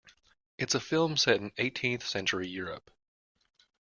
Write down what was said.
It's a film set in eighteenth century Europe.